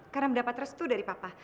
karena mendapat restu dari papa